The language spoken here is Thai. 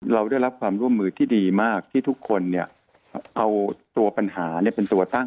เราได้รับความร่วมมือที่ดีมากที่ทุกคนเอาตัวปัญหาเป็นตัวตั้ง